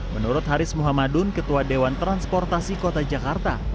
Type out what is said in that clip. menurut haris muhammadun ketua dewan transportasi kota jakarta